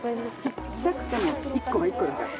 ちっちゃくても１個は１個だから。